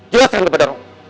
jelaskan kepada aku